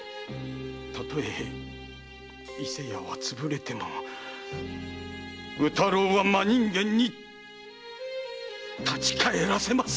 たとえ伊勢屋はつぶれても宇太郎は真人間に立ち返らせます！